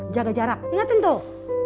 jaga jarak ingatin tuh